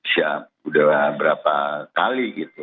sudah berapa kali gitu